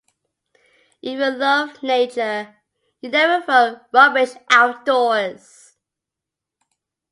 If you love nature, you never throw rubbish outdoors.